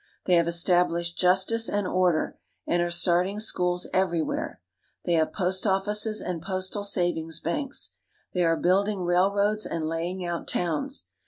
They have established justice and order, and are starting schools everywhere. They have post offices and postal savings banks. They are building rail roads and laying out towns.